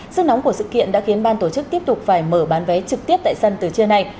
sức nóng của sự kiện đã khiến ban tổ chức tiếp tục phải mở bán vé trực tiếp tại sân từ trưa nay